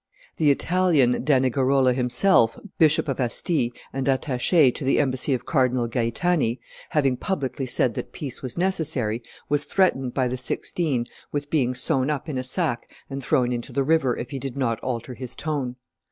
The Italian Danigarola himself, Bishop of Asti and attache to the embassy of Cardinal Gaetani, having publicly said that peace was necessary, was threatened by the Sixteen with being sewn up in a sack and thrown into the river if he did not alter his tone.